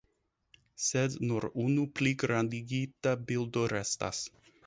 Sed nur unu pligrandigita bildo restas.